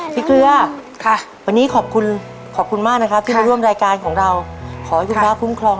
เกลือค่ะวันนี้ขอบคุณขอบคุณมากนะครับที่มาร่วมรายการของเราขอให้คุณพระคุ้มครอง